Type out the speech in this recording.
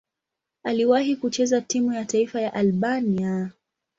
Aliwahi kucheza timu ya taifa ya Albania.